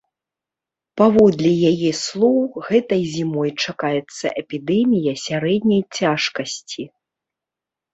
Паводле яе слоў, гэтай зімой чакаецца эпідэмія сярэдняй цяжкасці.